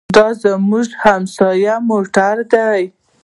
دا زموږ د همسایه موټر دی.